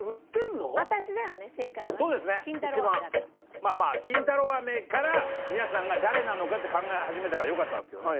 まあまあ金太郎飴から皆さんが誰なのかって考え始めたからよかったんですけどね。